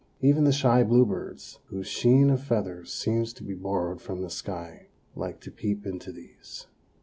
Even the shy bluebirds, whose sheen of feathers seems to be borrowed from the sky, like to peep into these.